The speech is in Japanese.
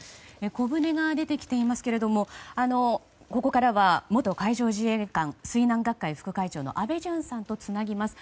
小船が出てきていますけれどここからは元海上自衛官水難学会副会長の安倍淳さんとつなぎます。